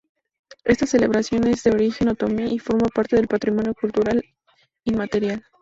Esta celebración es de origen otomí y forma parte del Patrimonio Cultural Inmaterial.